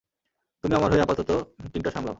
তুমি আমার হয়ে আপাতত মিটিংটা সামলাও।